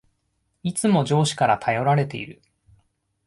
いつも上司から頼られている